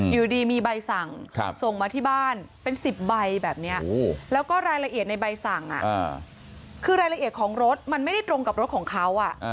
อยู่ดีมีใบสั่งส่งมาที่บ้านเป็น๑๐ใบแบบนี้แล้วก็รายละเอียดในใบสั่งคือรายละเอียดของรถมันไม่ได้ตรงกับรถของเขา